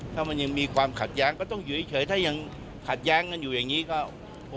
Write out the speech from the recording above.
ถ้ามันยังมีความขัดแย้งก็ต้องอยู่เฉยถ้ายังขัดแย้งกันอยู่อย่างนี้ก็